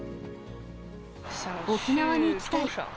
沖縄に行きたい。